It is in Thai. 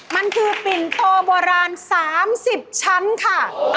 มันคือปิ่นโตโบราณ๓๐ชั้นค่ะ